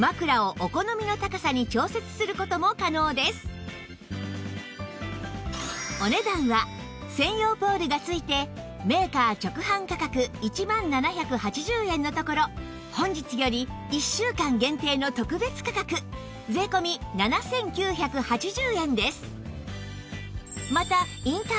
もちろん枕をお値段は専用ポールがついてメーカー直販価格１万７８０円のところ本日より１週間限定の特別価格税込７９８０円です